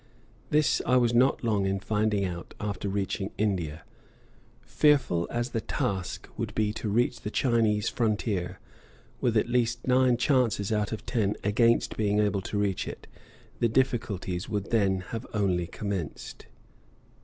This I was not long in finding out after reaching India. Fearful as the task would be to reach the Chinese frontier, with at least nine chances out of ten against being able to reach it, the difficulties would then have only commenced.